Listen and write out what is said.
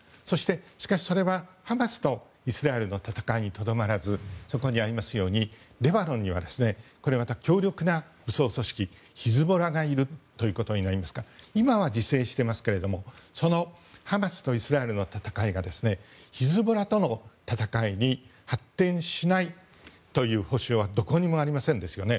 しかし、それはハマスとイスラエルの戦いにとどまらずレバノンにはまた強力な武装組織ヒズボラがいるということになりますから今は自制していますがハマスとイスラエルの戦いがヒズボラとの戦いに発展しないという保証はどこにもありませんですよね。